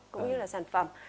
cũng như là sản phẩm